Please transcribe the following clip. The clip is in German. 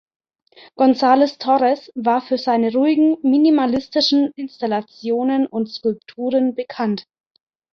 Gonzalez-Torres war für seine ruhigen, minimalistischen Installationen und Skulpturen bekannt.